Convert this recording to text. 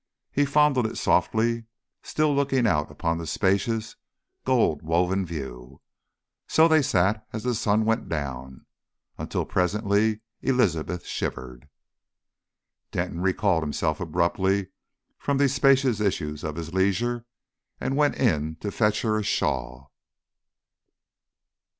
He fondled it softly, still looking out upon the spacious gold woven view. So they sat as the sun went down. Until presently Elizabeth shivered. Denton recalled himself abruptly from these spacious issues of his leisure, and went in to fetch her a shawl.